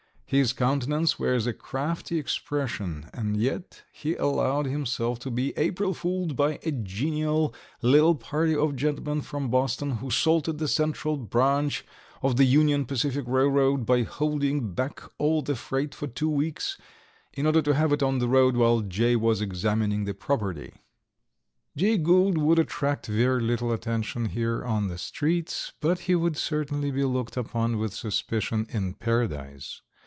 His countenance wears a crafty expression, and yet he allowed himself to be April fooled by a genial little party of gentlemen from Boston, who salted the Central Branch of the Union Pacific Railroad by holding back all the freight for two weeks in order to have it on the road while Jay was examining the property. Jay Gould would attract very little attention here on the streets, but he would certainly be looked upon with suspicion in Paradise.